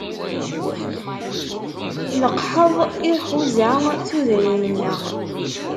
Leqḥeḍ iḥuza tudrin-nneɣ.